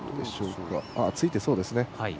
ついてそうですね。